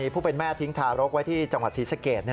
ผู้เป็นแม่ทิ้งทารกไว้ที่จังหวัดศรีสเกต